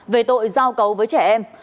về tội giao cấu với trẻ em